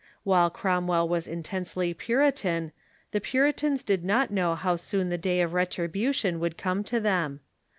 While Cromwell was intensely Puritan, the Puritans did not know how soon the day of retribution would come to them.